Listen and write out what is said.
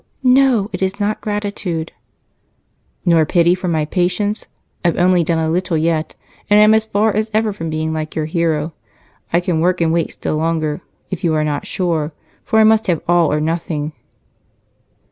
"No it is not gratitude." "Nor pity for my patience? I've only done a little yet, and I am as far as ever from being like your hero. I can work and wait still longer if you are not sure, for I must have all or nothing."